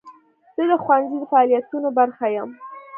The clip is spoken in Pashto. زه د ښوونځي د فعالیتونو برخه یم.